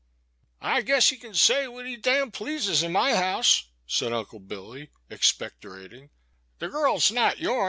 '' I guess he can say what he dam pleases in my house," said Unde Billy, expectorating; *' the girl 's not youm."